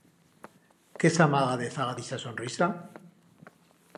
Qué s'amaga dezaga d'ixa sonrisa?